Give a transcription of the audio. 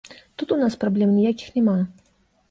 Тут у нас праблем ніякіх няма.